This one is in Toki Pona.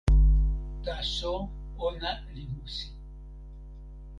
taso ona li musi.